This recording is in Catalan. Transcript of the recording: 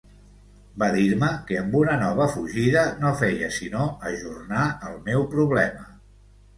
Va dir-me que amb una nova fugida no feia sinó ajornar el meu problema.